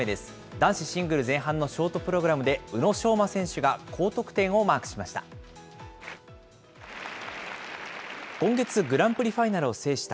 男子シングル前半のショートプログラムで、宇野昌磨選手が高得点をマークしました。